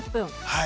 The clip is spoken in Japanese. はい。